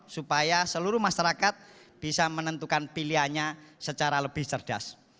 supaya seluruh masyarakat bisa menentukan pilihannya secara lebih cerdas